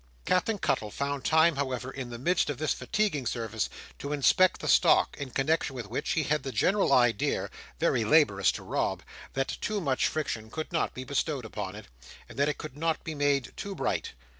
Captain Cuttle found time, however, in the midst of this fatiguing service to inspect the stock; in connexion with which he had the general idea (very laborious to Rob) that too much friction could not be bestowed upon it, and that it could not be made too bright.